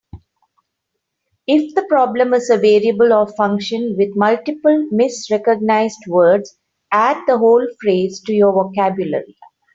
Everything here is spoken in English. If the problem is a variable or function with multiple misrecognized words, add the whole phrase to your vocabulary.